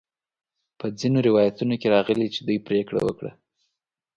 په ځینو روایتونو کې راغلي چې دوی پریکړه وکړه.